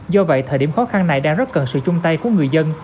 do vậy thời điểm khó khăn này đang rất cần sự chung tay của người dân